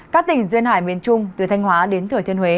các tỉnh duyên hải miền trung từ thanh hóa đến thừa thiên huế